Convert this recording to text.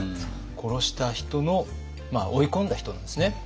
殺した人の追い込んだ人のですね